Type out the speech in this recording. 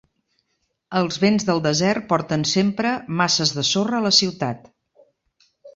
Els vents del desert porten sempre masses de sorra a la ciutat.